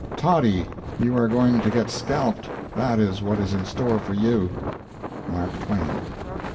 Toddy, you are going to get scalped. That is what is in store for you. MARK TWAIN.